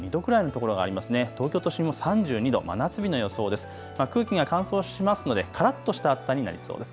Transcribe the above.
東京都心も３２度、真夏日の予想です。